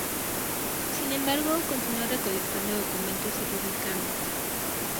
Sin embargo, continuó recolectando documentos y publicando.